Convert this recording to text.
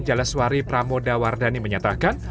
jalaswari pramodawardhani menyatakan